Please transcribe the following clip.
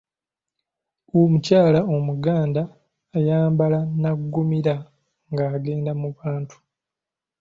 Omukyala Omuganda ayambala n’aggumira ng’agenda mu bantu.